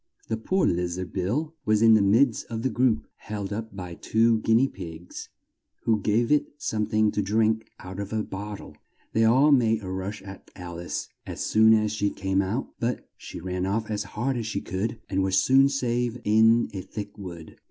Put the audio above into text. The poor liz ard, Bill, was in the midst of the group, held up by two guin ea pigs, who gave it some thing to drink out of a bot tle. They all made a rush at Al ice, as soon as she came out, but she ran off as hard as she could, and was soon safe in a thick wood.